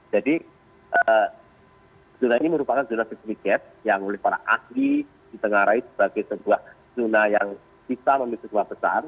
jadi zona ini merupakan zona seismik gas yang oleh para ahli ditengarai sebagai sebuah zona yang bisa memiliki kekuatan besar